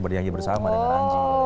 berdiri bersama dengan anji